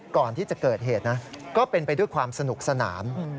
ก่อนที่จะเกิดเหตุนะก็เป็นไปด้วยความสนุกสนาน